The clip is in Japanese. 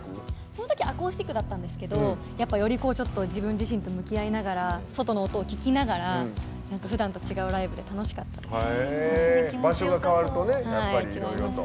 そのときはアコースティックだったんですけどより自分自身と向き合いながら外の音を聴きながらふだんと違うライブで楽しかったです。